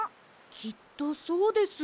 きっとそうです。